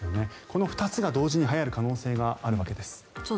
この２つが同時にはやる可能性があるわけです。